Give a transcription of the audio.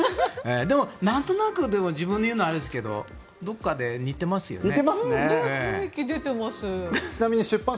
でも、なんとなく自分でいうのはあれですけどどこか似てますよね。